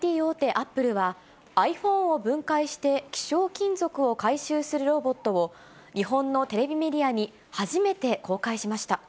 アップルは、ｉＰｈｏｎｅを分解して希少金属を回収するロボットを、日本のテレビメディアに初めて公開しました。